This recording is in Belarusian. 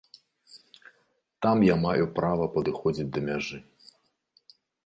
Там я маю права падыходзіць да мяжы.